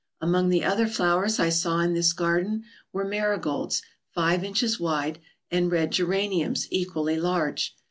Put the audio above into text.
Among the other flowers I saw in this garden were marigolds five inches wide and red geraniums equally large.